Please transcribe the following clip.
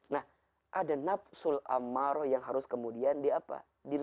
nah ada nafsul amaroh yang harus kemudian diapa